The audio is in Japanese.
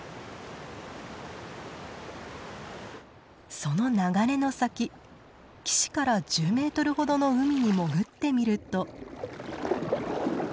その流れの先岸から１０メートルほどの海に潜ってみると。